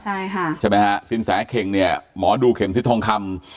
ใช่ค่ะใช่ไหมฮะสินแสเข่งเนี่ยหมอดูเข็มทิศทองคำ